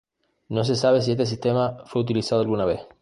No se sabe si este sistema fue utilizado alguna vez.